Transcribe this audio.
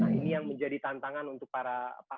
hai ini yang menjadi tantangan mereka setiap daerah